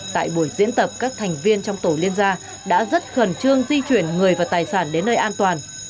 tại buổi diễn tập các thành viên trong tổ liên gia đã rất khẩn trương di chuyển người và tài sản đến nơi an toàn